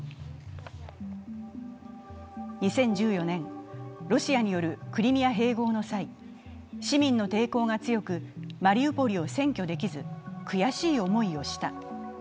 ２０１４年、ロシアによるクリミア併合の際、市民の抵抗が強く、マリウポリを占拠できず、悔しい思いをした。